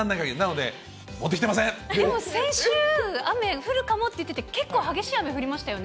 でも先週、雨降るかもって言ってて、結構激しい雨降りましたよね。